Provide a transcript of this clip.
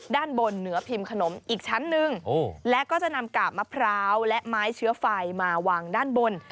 ด้านบนเหนือพิมพ์ขนมอีกชั้นหนึ่งและก็จะนำกาบมะพร้าวและไม้เชื้อไฟมาวางด้านบน